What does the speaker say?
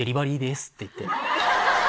って言って。